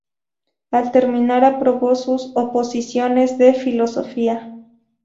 Al terminar aprobó unas oposiciones de filosofía.